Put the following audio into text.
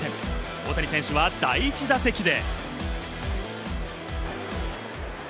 大谷選手は第１打席で。